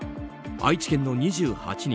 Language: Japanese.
愛知県の２８人